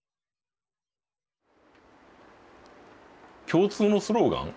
共通のスローガン。